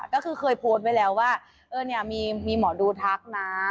ก็คือเคยโพสต์ไว้แล้วว่าเออเนี่ยมีหมอดูทักนะ